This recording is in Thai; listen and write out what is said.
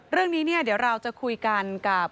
เรื่องนี้เนี่ยเดี๋ยวเราจะคุยกันกับ